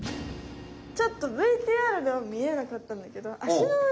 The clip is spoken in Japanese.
ちょっとＶＴＲではみえなかったんだけどあ